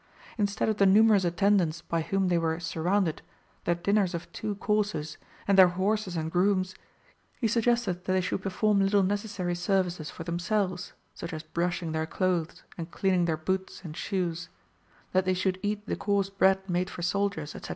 Instead of the numerous attendants by whom they were surrounded, their dinners of two courses, and their horses and grooms, he suggested that they should perform little necessary services for themselves, such as brushing their clothes, and cleaning their boots and shoes; that they should eat the coarse bread made for soldiers, etc.